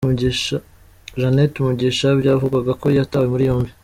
Jannette Mugisha byavugwaga ko yatawe muri yombi